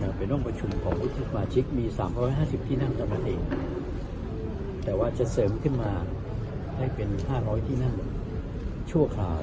แต่เป็นห้องประชุมของวุฒิสมาชิกมี๓๕๐ที่นั่งเท่านั้นเองแต่ว่าจะเสริมขึ้นมาให้เป็น๕๐๐ที่นั่งชั่วคราว